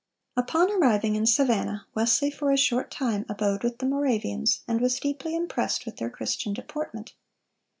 "(371) Upon arriving in Savannah, Wesley for a short time abode with the Moravians, and was deeply impressed with their Christian deportment.